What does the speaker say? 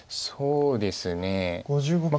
そうですね。